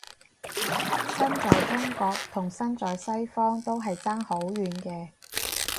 身在中國同身在西方都係爭好遠嘅